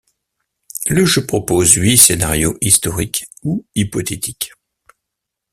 Le jeu propose huit scénarios historiques ou hypothétiques.